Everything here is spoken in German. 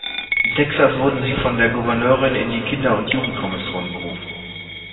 In Texas wurde sie von der Gouverneurin in die Kinder- und Jugendkommission berufen.